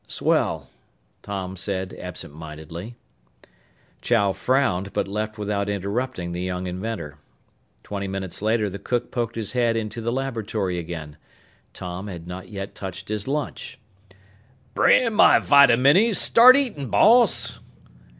"Swell," Tom said absent mindedly. Chow frowned but left without interrupting the young inventor. Twenty minutes later the cook poked his head into the laboratory again. Tom had not yet touched his lunch. "Brand my vitaminnies, start eatin', boss!"